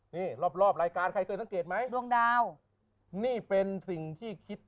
นี่รอบรอบรายการใครเคยสังเกตไหมดวงดาวนี่เป็นสิ่งที่คิด